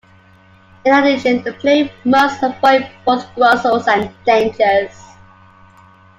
In addition, the player must avoid both Gruzzles and dangers.